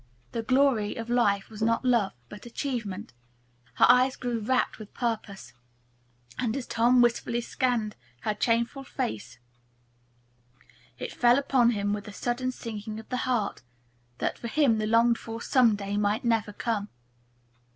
The glory of life was not love, but achievement. Her eyes grew rapt with purpose, and, as Tom wistfully scanned her changeful face, it fell upon him with a sudden sinking of the heart that for him the longed for "someday" might never come.